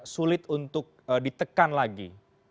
sulit untuk ditekan lagi